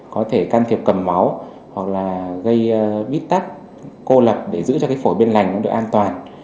có thể can thiệp cầm máu hoặc là gây bít tắt cô lập để giữ cho cái phổi bên lành nó được an toàn